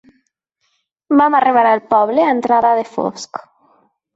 Vam arribar al poble a entrada de fosc.